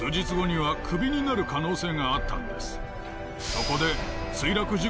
そこで。